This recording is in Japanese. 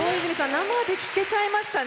生で聴けちゃいましたね。